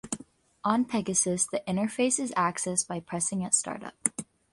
On Pegasos, the interface is accessed by pressing at startup.